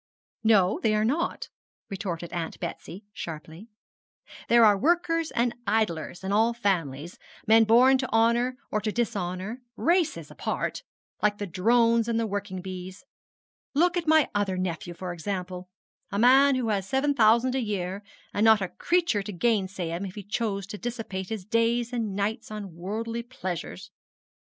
'No, they are not,' retorted Aunt Betsy, sharply. 'There are workers and idlers in all families men born to honour or to dishonour races apart like the drones and the working bees. Look at my other nephew, for example a man who has seven thousand a year, and not a creature to gainsay him if he chose to dissipate his days and nights on worldly pleasures.